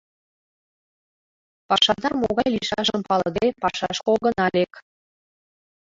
Пашадар могай лийшашым палыде, пашашке огына лек.